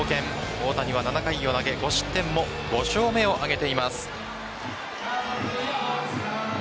大谷は７回を投げ５失点も５勝目を挙げています。